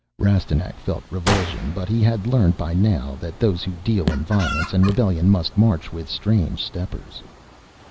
Rastignac felt revulsion but he had learned by now that those who deal in violence and rebellion must march with strange steppers.